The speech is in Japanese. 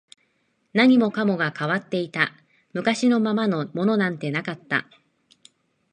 何もかもが変わっていた、昔のままのものなんてなかった